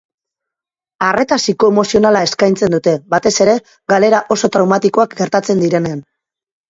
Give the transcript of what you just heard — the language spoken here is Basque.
Arreta psikoemozionala eskaintzen dute, batez ere, galera oso traumatikoak gertatzen direnean.